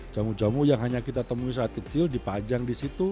jamu jamu yang hanya kita temui saat kecil dipajang di situ